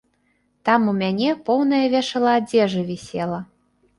Там у мяне поўнае вешала адзежы вісела.